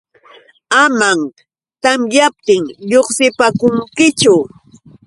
Amam tamyaptin lluqsipaakunkichu.